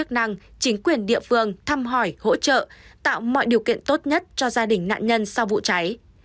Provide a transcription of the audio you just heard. các chức năng chính quyền địa phương thăm hỏi hỗ trợ tạo mọi điều kiện tốt nhất cho gia đình nạn nhân sau vụ cháy